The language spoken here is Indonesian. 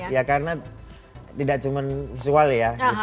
ya karena tidak cuma visual ya